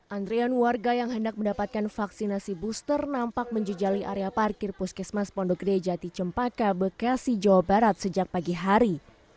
antrian warga yang hendak mendapatkan vaksinasi booster nampak menjejali area parkir puskesmas pondok gede jati cempaka bekasi jawa barat sejak pagi hari